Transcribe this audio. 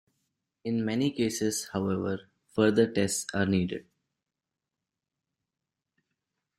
In many cases, however, further tests are needed.